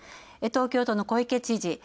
東京都の小池知事